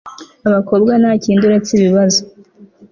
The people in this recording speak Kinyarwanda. Abakobwa ntakindi uretse ibibazo